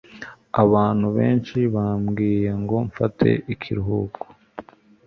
Abantu benshi bambwiye ngo mfate ikiruhuko.